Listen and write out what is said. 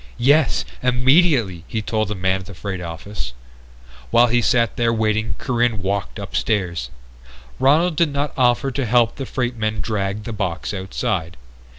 "Yes! Immediately!" he told the man at the freight office. While he sat there waiting Corinne walked upstairs. Ronald did not offer to help the freight men drag the box outside.